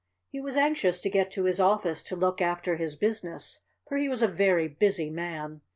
He was anxious to get to his office to look after his business, for he was a very busy Man.